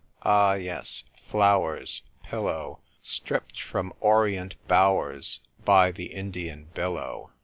— ah, yes, 'flowers,' 'pillow' — stripped from orient bowers by the Indian billow.